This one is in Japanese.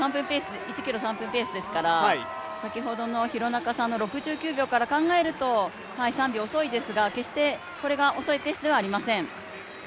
１ｋｍ３分ペースですから先ほどの廣中さんの６９秒から考えると３秒遅いですが決してこれが遅いペースではありません。